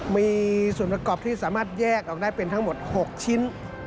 มีส่วนประกอบที่สามารถแยกออกได้เป็นทั้งหมด๖ชิ้น